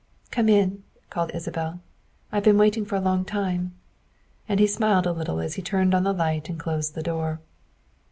" Come in," called Isabel, " I've been waiting a long time," and he smiled a little as he turned on the light and closed the door.